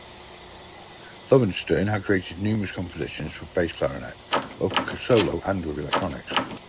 Lowenstern has created numerous compositions for bass clarinet, both solo and with electronics.